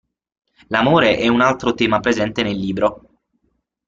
L'amore è un altro tema presente nel libro.